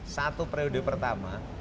satu periode pertama